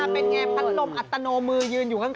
เป็นไงพัดลมอัตโนมือยืนอยู่ข้าง